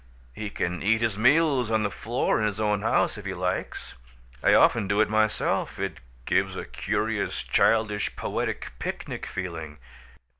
He can eat his meals on the floor in his own house if he likes. I often do it myself; it gives a curious, childish, poetic, picnic feeling.